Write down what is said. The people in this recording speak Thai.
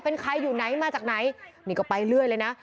เป็นใครอยู่ไหนมาจากไหนนี่ก็ไปเรื่อยเลยนะ